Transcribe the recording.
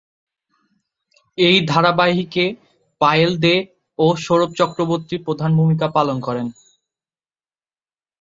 এই ধারাবাহিকে পায়েল দে ও সৌরভ চক্রবর্তী প্রধান ভূমিকা পালন করেন।